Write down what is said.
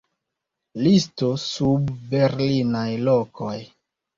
Listo sub Berlinaj lokoj.